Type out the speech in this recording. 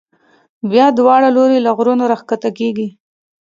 بیا دواړه لوري له غرونو را کښته کېږي.